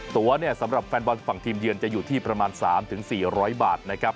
ตัวเนี่ยสำหรับแฟนบอลฝั่งทีมเยือนจะอยู่ที่ประมาณ๓๔๐๐บาทนะครับ